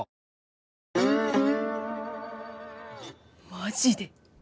マジで？